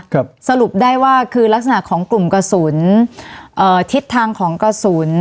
สรุปได้ว่าคือลักษณะของกลุ่มกระสุนเอ่อทิศทางของกระสุน